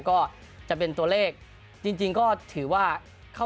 ก็จะเป็นตัวเลขจริงก็ถือว่า